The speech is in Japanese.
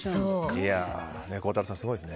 孝太郎さん、すごいですね。